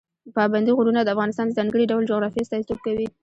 پابندی غرونه د افغانستان د ځانګړي ډول جغرافیه استازیتوب کوي.